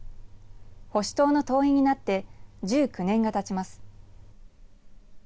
保守党の党員になって１９年がたちます。